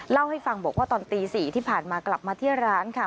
เล่าให้ฟังบอกว่าตอนตี๔ที่ผ่านมากลับมาที่ร้านค่ะ